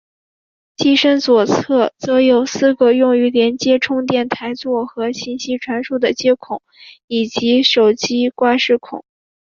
机身左侧则有四个用于连接充电台座和信息传输的接孔以及手机挂饰孔。